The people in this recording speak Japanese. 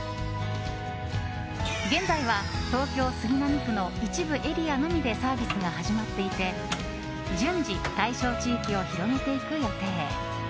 現在は東京・杉並区の一部エリアのみでサービスが始まっていて順次、対象地域を広げていく予定。